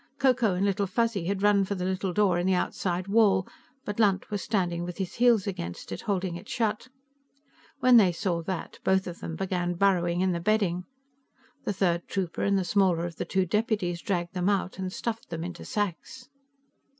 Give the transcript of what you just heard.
Ko Ko and Little Fuzzy had run for the little door in the outside wall, but Lunt was standing with his heels against it, holding it shut; when they saw that, both of them began burrowing in the bedding. The third trooper and the smaller of the two deputies dragged them out and stuffed them into sacks.